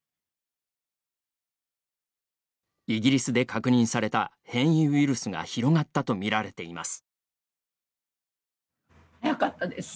イギリスで確認された変異ウイルスが広がったと見られています。